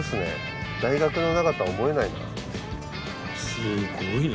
すごいね。